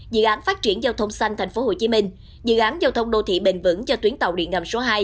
dự án phát triển giao thông xanh tp hcm dự án giao thông đô thị bền vững cho tuyến tàu điện ngầm số hai